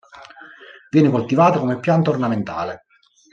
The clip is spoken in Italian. Viene coltivato come pianta ornamentale.